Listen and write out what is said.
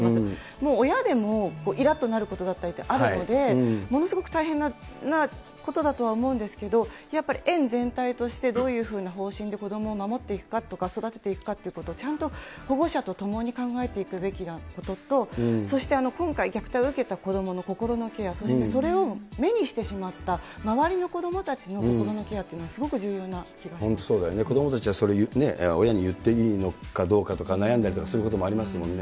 もう親でもいらっとなることだってあるので、ものすごく大変なことだとは思うんですけど、やっぱり園全体としてどういうふうな方針で子どもを守っていくかとか、育てていくかということをちゃんと保護者と共に考えていくべきなことと、そして今回虐待を受けた子どもの心のケア、そしてそれを目にしてしまった周りの子どもたちの心のケアってい本当、そうだよね、子どもたちはそれを親に言っていいのかどうかとか、悩んだりとかすることありますもんね。